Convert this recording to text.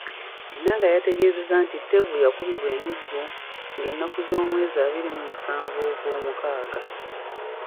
Enanga yategeezezza nti Tegu yakubibwa emiggo ng'ennaku z'omwezi abiri mu musanvu Ogwomukaaga.